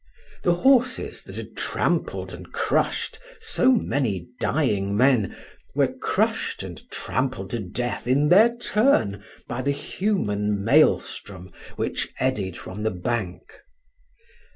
The horses that had trampled and crushed so many dying men were crushed and trampled to death in their turn by the human maelstrom which eddied from the bank.